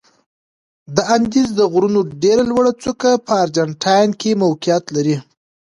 د اندیز د غرونو ډېره لوړه څوکه په ارجنتاین کې موقعیت لري.